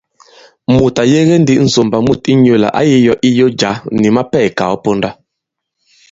Mùt à yege ndī ŋsòmbà mût inyūlà ǎ yī yō iyo jǎ, nì mapɛ ìkàw di ponda.